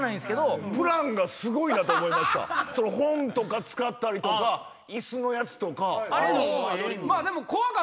本使ったりとか椅子のやつとか。